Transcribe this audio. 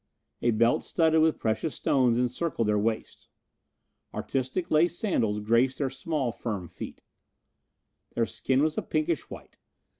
A belt studded with precious stones encircled their waists. Artistic laced sandals graced their small firm feet. Their skin was a pinkish white.